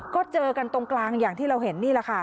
ก็เจอกันตรงกลางอย่างที่เราเห็นนี่แหละค่ะ